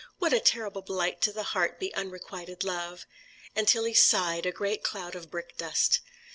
What a terrible blight to the heart be unrequited love!" And Tilly sighed a great cloud of brick dust.